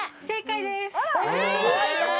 正解です。